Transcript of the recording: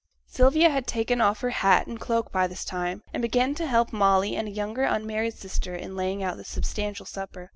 Sylvia had taken off her hat and cloak by this time, and began to help Molly and a younger unmarried sister in laying out the substantial supper.